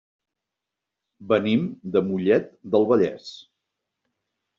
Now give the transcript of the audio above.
Venim de Mollet del Vallès.